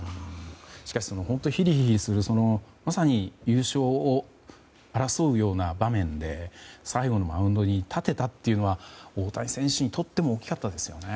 しかし、本当にヒリヒリするまさに優勝を争うような場面で最後のマウンドに立てたというのは大谷選手にとっても大きかったですよね。